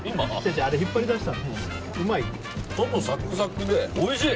外サクサクでおいしい。